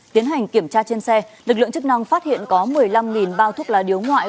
tiến hành kiểm tra trên xe lực lượng chức năng phát hiện có một mươi năm bao thuốc lá điếu ngoại